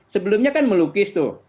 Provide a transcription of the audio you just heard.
sebelumnya kan melukis tuh